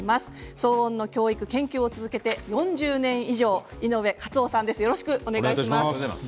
騒音の教育、研究を続けて４０年以上井上勝夫さんです。